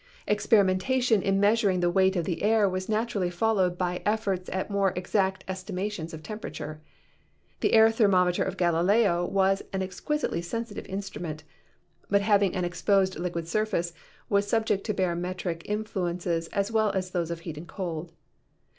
Experimentation in measuring the weight of the air was naturally followed by efforts at more exact estimations of temperature. The air thermometer of Galileo was an ex quisitely sensitive instrument, but having an exposed liquid surface was subject to barometric influences as well as those of heat and cold.